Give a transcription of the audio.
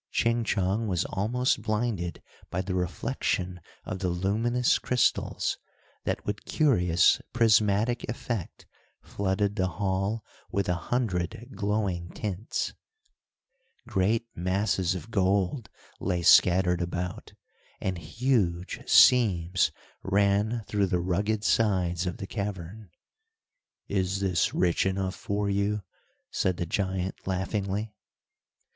Ching Chong was almost blinded by the reflection of the luminous crystals that, with curious prismatic effect, flooded the hall with a hundred glowing tints. Great masses of gold lay scattered about, and huge seams ran through the rugged sides of the cavern. "Is this rich enough for you?" said the giant, laughingly.